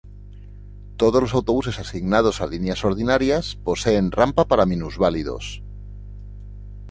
Todos los autobuses asignados a líneas ordinarias poseen rampa para minusválidos.